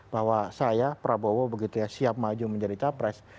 bahwa saya prabowo begitu ya siap maju menjadi capres